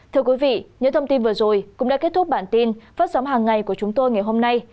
thưa quý vị những thông tin vừa rồi cũng đã kết thúc bản tin phát sóng hàng ngày của chúng tôi ngày hôm nay